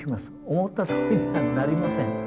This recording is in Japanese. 思ったとおりにはなりません。